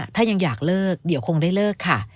ถ้ายังอยากเลิกเดี๋ยวคงได้เลิกค่ะ